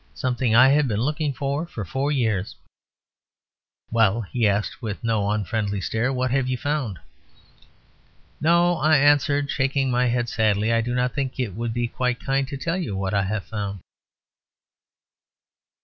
Something I have been looking for for years." "Well," he asked, with no unfriendly stare, "and what have you found?" "No," I answered, shaking my head sadly, "I do not think it would be quite kind to tell you what I have found."